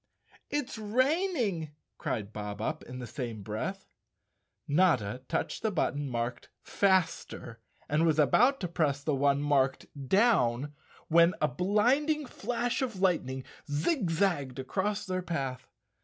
" "It's raining," cried Bob Up in the same breath. Notta touched the button marked "Faster," and was 189 The Cowardly Lion of Oz _ about to press the one marked "Down," when a blind¬ ing flash of lightning zig zagged across their path.